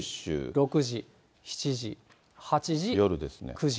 ６時、７時、８時、９時。